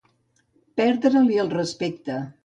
Perdre-li el respecte.